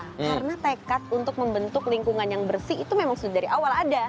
karena tekat untuk membentuk lingkungan yang bersih itu memang sudah dari awal ada